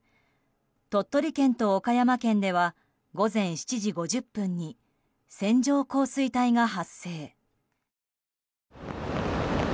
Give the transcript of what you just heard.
鳥取県と岡山県では午前７時５０分に線状降水帯が発生。